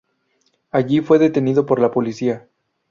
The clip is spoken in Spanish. Allí fue detenido por la policía.